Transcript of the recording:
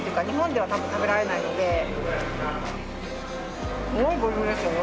日本では多分食べられないので。